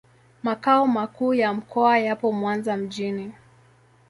Makao makuu ya mkoa yapo Mwanza mjini.